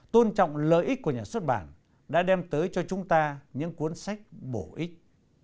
tôn trọng lợi ích của nhà xuất bản đã đem tới cho chúng ta những cuốn sách bổ ích